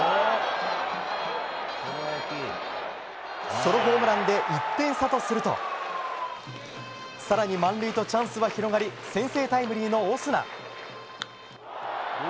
ソロホームランで１点差とすると更に満塁とチャンスは広がり先制タイムリーのオスナ。